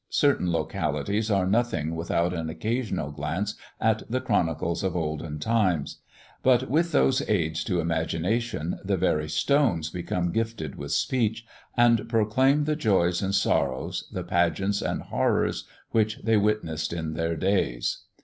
Certain localities are nothing without an occasional glance at the chronicles of olden times; but with those aids to imagination, the very stones become gifted with speech, and proclaim the joys and sorrows, the pageants and horrors which they witnessed in their days.